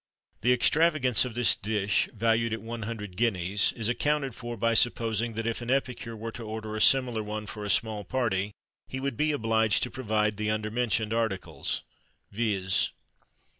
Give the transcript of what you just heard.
The extravagance of this dish, valued at one hundred guineas, is accounted for, by supposing, that if an epicure were to order a similar one for a small party, he would be obliged to provide the undermentioned articles, viz.